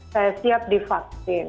saya siap divaksin